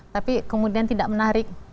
tapi kemudian tidak menarik